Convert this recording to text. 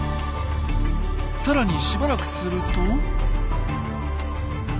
さらにしばらくすると。